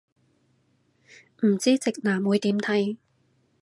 唔知直男會點睇